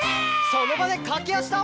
「その場でかけあしだ！」